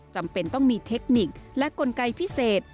จำเป็นต้องมีเทคนิคและกลไกพิเศษ